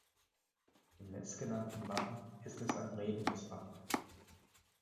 Im letztgenannten Wappen ist es ein redendes Wappen.